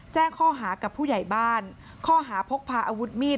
แจ้งข้อหากับผู้ใหญ่บ้านข้อหาพกพาอาวุธมีด